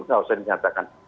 nggak usah dinyatakan